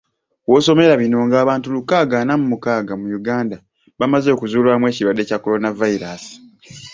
W'osomera bino, ng'abantu lukaaga ana mu mukaaga mu Uganda bamaze okuzuulwamu ekirwadde kya Kolonavayiraasi.